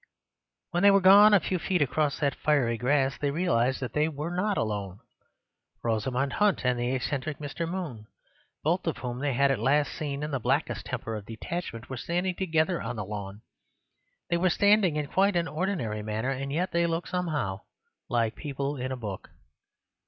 When they were gone a few feet across that fiery grass they realized that they were not alone. Rosamund Hunt and the eccentric Mr. Moon, both of whom they had last seen in the blackest temper of detachment, were standing together on the lawn. They were standing in quite an ordinary manner, and yet they looked somehow like people in a book.